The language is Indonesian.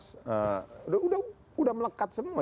sudah melekat semua